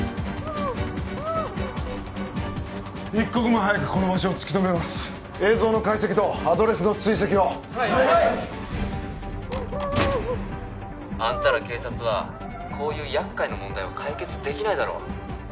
一刻も早くこの場所を突き止めます映像の解析とアドレスの追跡をはいっあんたら警察はこういうやっかいな問題を解決できないだろう？